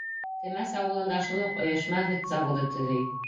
Темәс ауылында шул уҡ ойошма һөт заводы төҙөй.